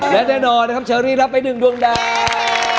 และแน่นอนนะครับเชอรี่รับไป๑ดวงดาว